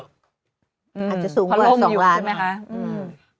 อาจจะสูงกว่า๒ล้าน